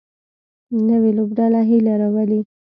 نوې لوبډله هیله راولي